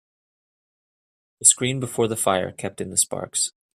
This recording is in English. The screen before the fire kept in the sparks.